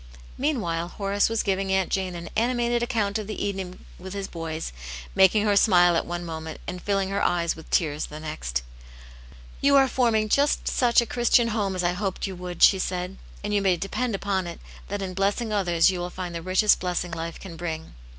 Meanwhile, Horace was giving Aunt Jane an animated account of the evening with his boys, making her smile at one moment and filling her eyes with tears the next. " You are forming just such a Christian home as I hoped you would," she said. " And you may depend upon it, that in blessing others you will find the richest blessing life can bring."